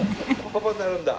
パパになるんだ。